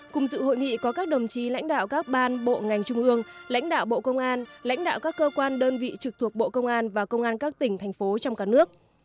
cùng dự hội nghị có các đồng chí lãnh đạo các ban bộ ngành trung ương lãnh đạo bộ công an lãnh đạo các cơ quan đơn vị trực thuộc bộ công an và công an các tỉnh thành phố trong cả nước